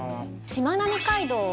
しまなみ海道。